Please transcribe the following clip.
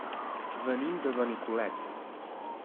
Venim de Benicolet.